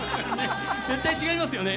絶対違いますよね。